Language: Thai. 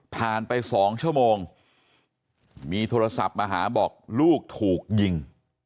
ไป๒ชั่วโมงมีโทรศัพท์มาหาบอกลูกถูกยิง